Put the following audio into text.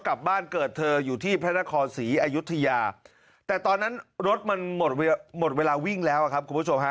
กลับบ้านเกิดเธออยู่ที่พระนครศรีอยุธยาแต่ตอนนั้นรถมันหมดเวลาวิ่งแล้วครับคุณผู้ชมฮะ